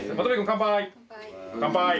乾杯！